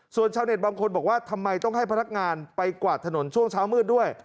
ส่วนชาวเน็ตบางคนบอกว่าทำไมต้องให้พนักงานไปกวาดถนนช่วงเช้ามืดด้วย